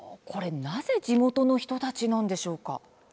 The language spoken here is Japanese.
なぜ地元の人たちなんでしょうか？